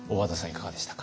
いかがでしたか？